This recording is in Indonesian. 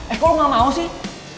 eh kok lo gak mau sih